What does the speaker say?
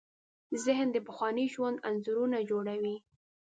ذهن د پخواني ژوند انځورونه جوړوي.